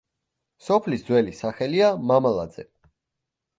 სოფლის ძველი სახელია მამალაძე.